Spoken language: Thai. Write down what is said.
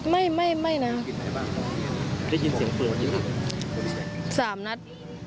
สามนัด